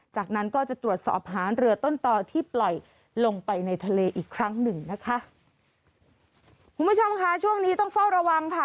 จากนั้นก็จะตรวจสอบหาเรือต้นต่อที่ปล่อยลงไปในทะเลอีกครั้งหนึ่งนะคะคุณผู้ชมค่ะช่วงนี้ต้องเฝ้าระวังค่ะ